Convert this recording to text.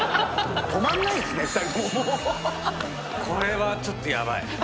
これはちょっとヤバい。